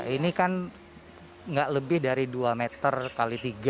ini kan nggak lebih dari dua meter x tiga